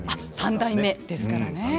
３代目ですからね。